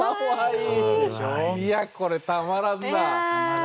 いやこれたまらんなあ。